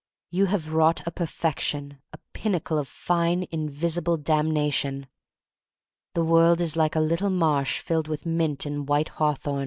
You have wrought a perfection, a pin nacle of fine, invisible damnation. The world is like a little marsh filled with mint and white hawthorn.